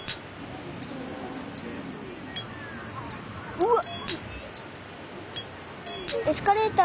うわっ。